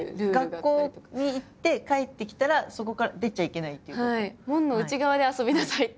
学校に行って帰ってきたらそこから出ちゃいけないっていうこと？